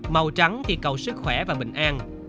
màu trắng thì cầu sức khỏe và bình an